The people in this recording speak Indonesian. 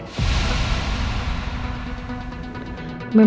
kenapa hak adopsi rena bisa lepas gara gara andi